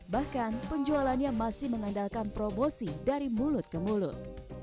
bahkan penjualannya masih mengandalkan promosi dari mulut ke mulut